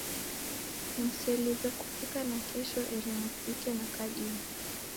Mseliw'e kuw'uka nakesho eri muvike na kadime.